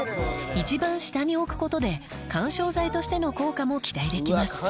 一番下に置く事で緩衝材としての効果も期待できます。